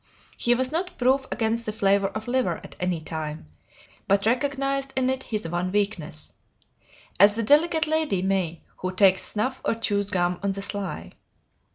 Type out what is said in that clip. He was not proof against the flavor of liver, at any time; but recognized in it his one weakness, as the delicate lady may who takes snuff or chews gum on the sly.